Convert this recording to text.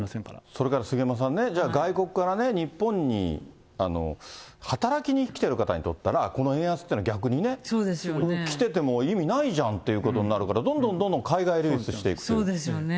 それから杉山さんね、じゃあ外国から日本に働きに来てる方にとったら、この円安というのは逆にね、来てても意味ないじゃんっていうことになるから、どんどんどんどそうですよね。